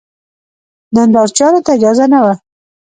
نندارچیانو ته اجازه نه وه.